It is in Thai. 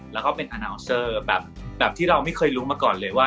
แล้วก็เป็นอนาวเซอร์แบบที่เราไม่เคยรู้มาก่อนเลยว่า